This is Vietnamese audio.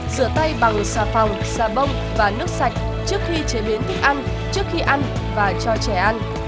rửa tay bằng xà phòng xà bông và nước sạch trước khi chế biến thức ăn trước khi ăn và cho trẻ ăn